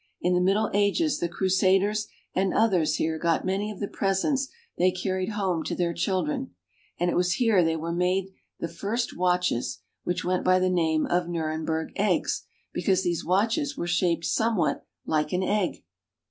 In the Middle Ages the Crusaders and others here got many of the presents they carried home to their children ; and it was here that were made the first watches, which went by the name of " Nuremberg Eggs," because these watches were shaped somewhat like an &gg.